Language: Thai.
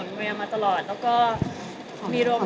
สวัสดีทุกคน